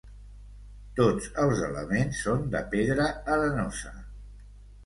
Tots els elements són de pedra arenosa.